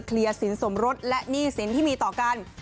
สินสมรสและหนี้สินที่มีต่อกัน